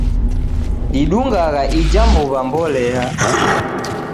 Didungaa ija mbuw'a mbolea.